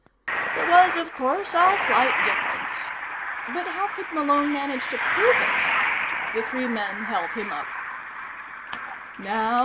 There was, of course, a slight difference. But how could Malone manage to prove it? The three men held him up.